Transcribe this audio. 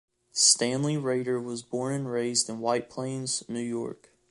Stanley Rader was born and raised in White Plains, New York.